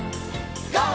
ＧＯ！